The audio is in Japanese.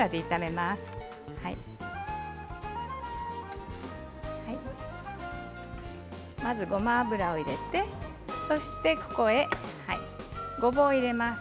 まず、ごま油を入れてそしてここにごぼうを入れます。